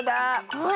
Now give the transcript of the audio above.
ほら。